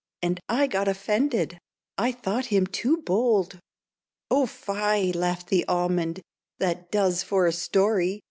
And I got offended; I thought him too bold." "Oh, fie!" laughed the Almond, "that does for a story.